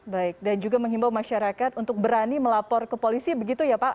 baik dan juga menghimbau masyarakat untuk berani melapor ke polisi begitu ya pak